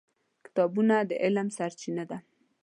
کتابونه د علم سرچینه ده.